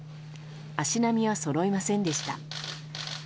足並みはそろいませんでした。